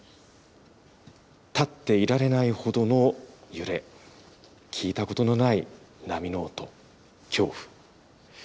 立っていられないほどの揺れ、聞いたことのない波の音、恐怖。